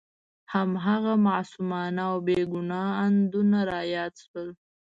هماغه معصومانه او بې ګناه اندونه را یاد شول.